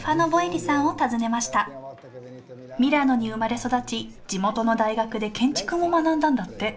ミラノに生まれ育ち地元の大学で建築も学んだんだって